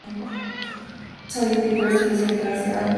Sony Pictures Television International opera ahora solo en el nombre.